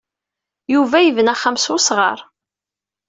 Yuba yebna axxam s wesɣar.